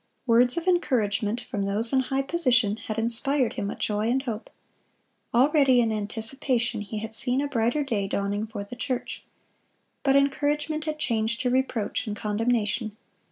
Words of encouragement from those in high position had inspired him with joy and hope. Already in anticipation he had seen a brighter day dawning for the church. But encouragement had changed to reproach and condemnation.